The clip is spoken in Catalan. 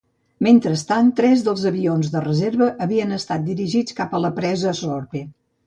Mentrestant, tres dels avions de reserva havien estat dirigits cap a la Presa Sorpe.